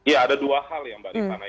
ya ada dua hal ya mbak rifana